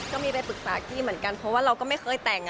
ก็มีไปปรึกษากี้เหมือนกันเพราะว่าเราก็ไม่เคยแต่ง